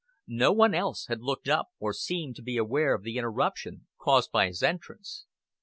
No one else had looked up or seemed to be aware of the interruption caused by his entrance.